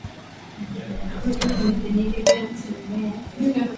Hali hii inaleta madhara makubwa ya afya kwa umma